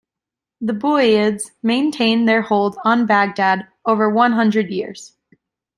The Buwayhids maintained their hold on Baghdad over one hundred years.